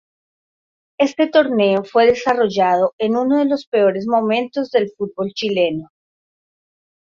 Este torneo fue desarrollado en uno de los peores momentos del fútbol chileno.